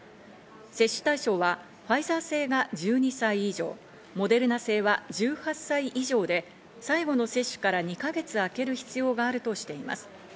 接種対象はファイザー製が１２歳以上、モデルナ製は１８歳以上で最後の接種から２か月空ける必要があるとしています。